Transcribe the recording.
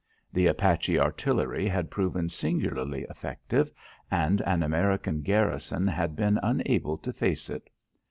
The Apache artillery had proven singularly effective and an American garrison had been unable to face it.